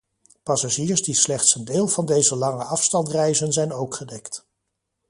Passagiers die slechts een deel van deze lange afstand reizen zijn ook gedekt.